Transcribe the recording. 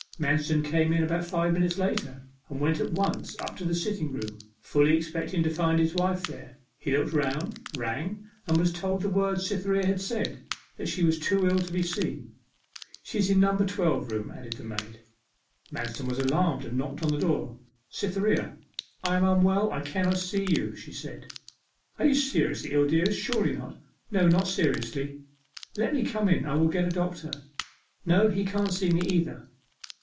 Manston came in about five minutes later, and went at once up to the sitting room, fully expecting to find his wife there. He looked round, rang, and was told the words Cytherea had said, that she was too ill to be seen. 'She is in number twelve room,' added the maid. Manston was alarmed, and knocked at the door. 'Cytherea!' 'I am unwell, I cannot see you,' she said. 'Are you seriously ill, dearest? Surely not.' 'No, not seriously.' 'Let me come in; I will get a doctor.' 'No, he can't see me either.